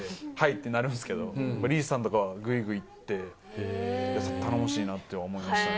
ってなるんですけれども、リーチさんとかはグイグイ言って、頼もしいなって思いましたね。